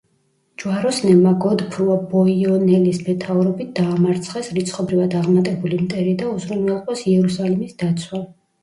ჯვაროსნებმა გოდფრუა ბუიონელის მეთაურობით დაამარცხეს რიცხობრივად აღმატებული მტერი და უზრუნველყვეს იერუსალიმის დაცვა.